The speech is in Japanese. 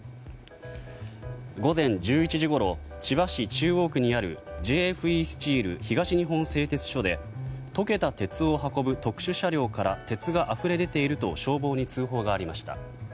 午前１１時ごろ千葉市中央区にあるＪＦＥスチール東日本製鉄所で溶けた鉄を運ぶ特殊車両から鉄があふれ出ていると消防に通報がありました。